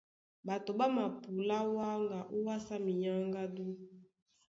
Ɓato ɓá mapulá wáŋga ówásá minyáŋgádú.